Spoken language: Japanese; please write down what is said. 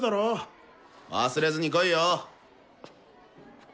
忘れずに来いよ！